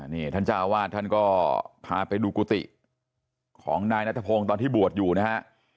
นี่ท่านเจ้าอาวาสท่านก็พาไปดูกุฏิของนายนัทพงศ์ตอนที่บวชอยู่นะฮะ